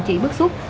chị bức xúc